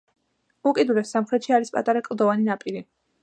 უკიდურეს სამხრეთში არის პატარა კლდოვანი ნაპირი.